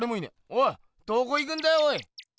おいどこ行くんだよおい。